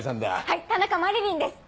はい田中麻理鈴です。